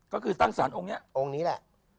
ก็คือตั้งสารองค์นี้องค์นี้แหละ